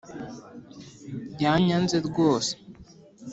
yanyanze rwose?